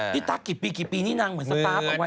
ตั๊กกี่ปีกี่ปีนี่นางเหมือนสตาร์ฟเอาไว้